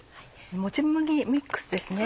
「もち麦ミックス」ですね。